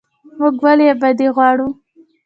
موږ ولې ابادي غواړو؟